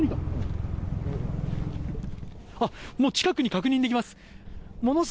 もう、近くに確認できます。